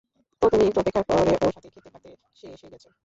তো তুমি একটু অপেক্ষা করে ওর সাথেই খেতে পারতে সে এসে গেছে!